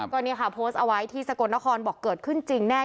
ก็เนี่ยค่ะโพสต์เอาไว้ที่สกลนครบอกเกิดขึ้นจริงแน่